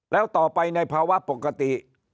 แล้วต่อไปในภาวะปกติ